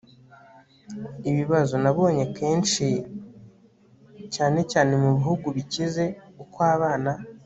ibibazo. nabonye kenshi, cyane cyane mubihugu bikize, uko abana